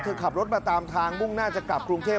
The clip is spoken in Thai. ขับรถมาตามทางมุ่งหน้าจะกลับกรุงเทพ